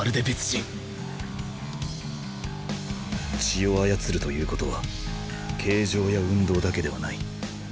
血を操るということは形状や運動だけではない。